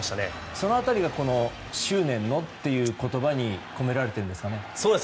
その辺りが執念のという言葉に込められてるんですかね。